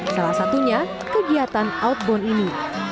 salah satunya kegiatan outbound ini